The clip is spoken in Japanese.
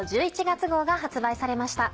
１１月号が発売されました。